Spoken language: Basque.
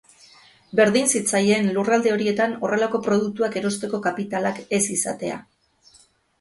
Berdin zitzaien lurralde horietan horrelako produktuak erosteko kapitalak ez izatea.